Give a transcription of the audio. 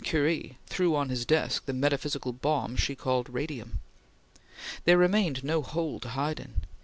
Curie threw on his desk the metaphysical bomb she called radium. There remained no hole to hide in.